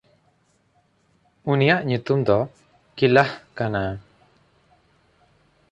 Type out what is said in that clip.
ᱩᱱᱤᱭᱟᱜ ᱧᱩᱛᱩᱢ ᱫᱚ ᱠᱤᱭᱞᱟᱦ ᱠᱟᱱᱟ᱾